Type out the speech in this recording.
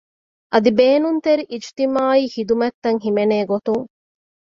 އަދި ބޭނުންތެރި އިޖްތިމާޢީ ޚިދުމަތްތައް ހިމެނޭ ގޮތުން